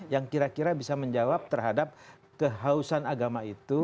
yang kira kira bisa menjawab terhadap kehausan agama itu